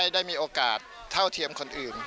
ได้มีโอกาสเท่าเทียมคนอื่น